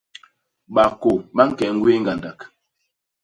Bakô ba ñke ñgwéé ñgandak.